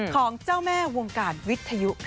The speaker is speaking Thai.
ของเจ้าแม่วงการวิทยุ